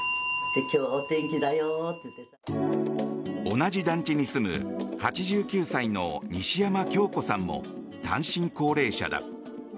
同じ団地に住む８９歳の西山京子さんも単身高齢者だ。